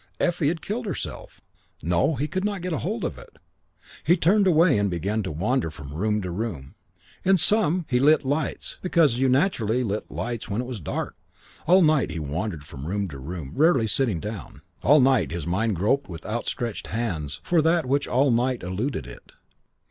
Effie had killed herself. No, he could not get hold of it. He turned away and began to wander from room to room. In some he lit lights because you naturally lit lights when it was dark. All night he wandered from room to room, rarely sitting down. All night his mind groped with outstretched hands for that which all night eluded it.